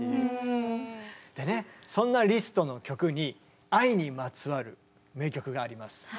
でねそんなリストの曲に愛にまつわる名曲があります。